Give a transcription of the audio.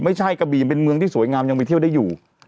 ไม่ใช่กับบีเป็นเมืองที่สวยงามยังไปเที่ยวได้อยู่